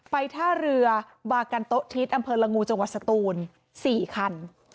ท่าเรือบากันโต๊ะทิศอำเภอละงูจังหวัดสตูน๔คัน